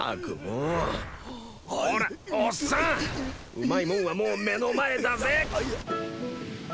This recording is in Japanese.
うまいもんはもう目の前だぜ！